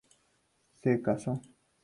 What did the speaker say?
Se casó.